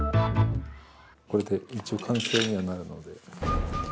これで一応完成にはなるので。